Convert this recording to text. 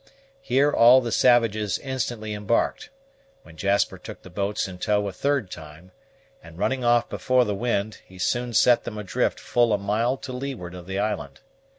Here all the savages instantly embarked, when Jasper took the boats in tow a third time, and, running off before the wind, he soon set them adrift full a mile to leeward of the island.